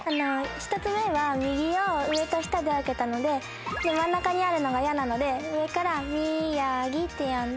１つ目は「右」を上と下で分けたので真ん中にあるのが矢なので上から「みやぎ」って読んで。